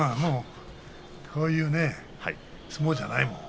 そういう相撲じゃないもん。